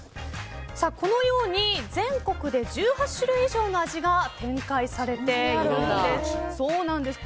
このように全国で１８種類以上の味が展開されているんです。